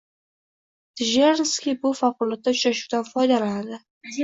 Dzerjinskiy bu favqulodda uchrashuvdan foydalanadi.